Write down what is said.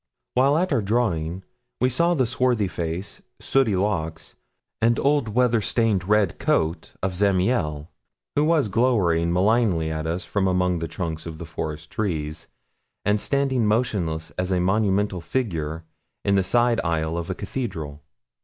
While at our drawing, we saw the swarthy face, sooty locks, and old weather stained red coat of Zamiel, who was glowering malignly at us from among the trunks of the forest trees, and standing motionless as a monumental figure in the side aisle of a cathedral.